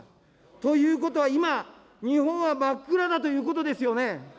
ということは今、日本は真っ暗だということですよね。